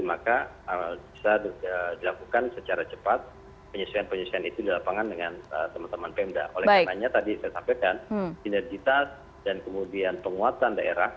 maka bisa dilakukan secara cepat penyesuaian penyesuaian itu di lapangan dengan teman teman pemda